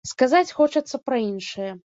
Сказаць хочацца пра іншае.